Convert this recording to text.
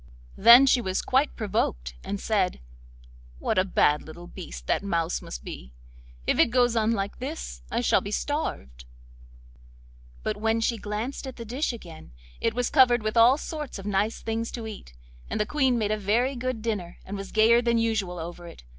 Then she was quite provoked, and said: 'What a bad little beast that mouse must be! If it goes on like this I shall be starved.' But when she glanced at the dish again it was covered with all sorts of nice things to eat, and the Queen made a very good dinner, and was gayer than usual over it.